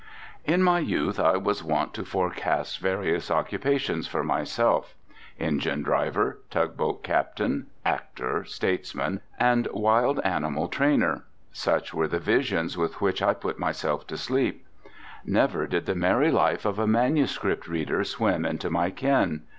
] In my youth I was wont to forecast various occupations for myself. Engine driver, tugboat captain, actor, statesman, and wild animal trainer—such were the visions with which I put myself to sleep. Never did the merry life of a manuscript reader swim into my ken.